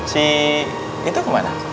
si itu kemana